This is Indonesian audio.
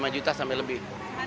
lima juta sampai lebih